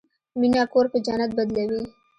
مینه کور په جنت بدلوي.